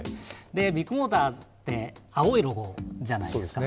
ビッグモーターって青いロゴじゃないですか。